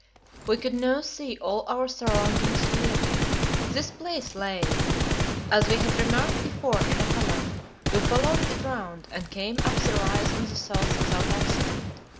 We could now see all our surroundings clearly. This place lay, as we had remarked before, in a hollow; we followed it round, and came up the rise on the south without accident.